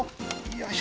よし！